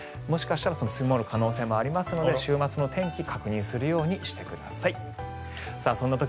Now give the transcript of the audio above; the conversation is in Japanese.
もしかしたら積もる可能性もありますので週末の天気を確認するようにしてください。